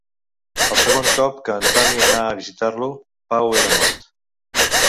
El segon cop que Antoni anà a visitar-lo, Pau era mort.